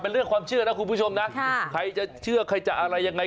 เรื่องความเชื่อนะคุณผู้ชมนะใครจะเชื่อใครจะอะไรยังไง